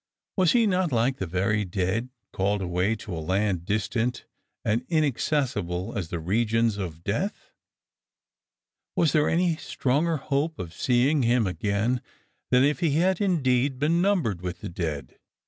Was he not like the very dead; called away to a land distant and inaccessible as the regions of death ? Was there any stronger hoj^e of seeing him again than if he had indeed been numbered with the dead